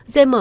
dê mở cửa